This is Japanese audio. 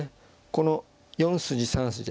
この４筋３筋でね